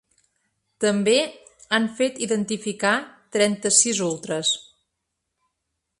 També han fet identificar trenta-sis ultres.